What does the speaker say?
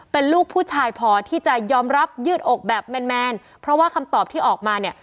เป็นลูกผู้ชายพอที่จะยอมรับยืดอกแบบแมนแมนเพราะว่าคำตอบที่ออกมาเนี่ย